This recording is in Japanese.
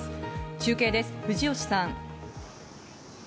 中継です、藤吉さん。